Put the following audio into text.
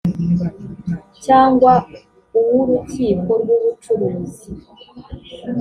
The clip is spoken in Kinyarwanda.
cyangwa uw’urukiko rw’ubucuruzi